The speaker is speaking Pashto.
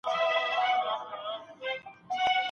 ړوند هلک به له ډاره په اوږه باندي مڼه ونه ساتي.